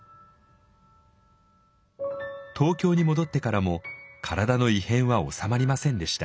東京に戻ってからも体の異変は治まりませんでした。